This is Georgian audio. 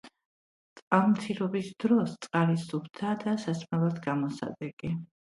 წყალმცირობის დროს წყალი სუფთაა და სასმელად გამოსადეგი.